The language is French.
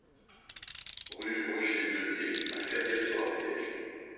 Rue Roger Deumié à Ferrières-sur-Ariège